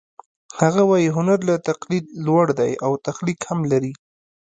هغه وايي هنر له تقلید لوړ دی او تخلیق هم لري